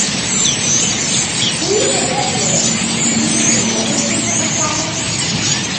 - Ҡуйығыҙ әле, ни ирешергә тотондоғоҙ тағы.